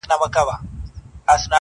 ما خو دا نه ویل شینکی آسمانه؛